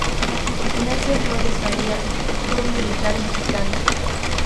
Ignacio Flores Farías fue un militar mexicano.